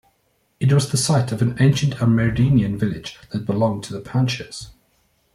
It was the site of an ancient Amerindian village that belonged to the Panches.